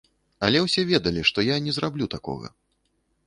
Але ўсе ведалі, што я не зраблю такога.